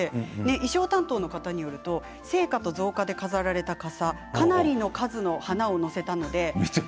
衣装担当の方によると生花と造花で飾られていてかなりの数の花を載せたので。